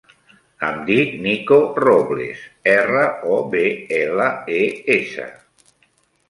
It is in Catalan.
Em dic Nico Robles: erra, o, be, ela, e, essa.